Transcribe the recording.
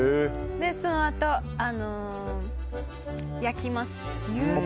そのあと、焼きます。